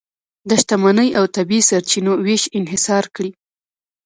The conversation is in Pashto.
د شتمنۍ او طبیعي سرچینو وېش انحصار کړي.